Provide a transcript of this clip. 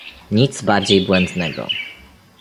Nic bardziej błędnego